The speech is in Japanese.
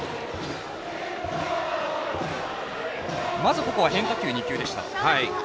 まず、ここは変化球２球でした。